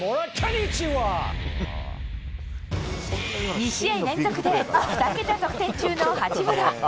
２試合連続で２桁得点中の八村。